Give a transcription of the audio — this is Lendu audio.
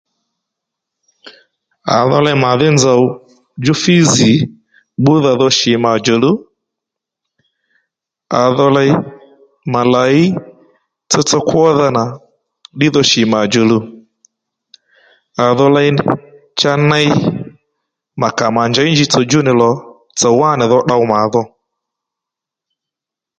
À dho ley mà dhí nzòw djú fízì búdha dho shì mà djòluw à dho ley mà làyí tsotso kwódha nà ddí dho shì mà djòluw à dho ley cha ney mà kà mà njěy njitsò djú nì lò tsòw wá nì dho tdow mà dho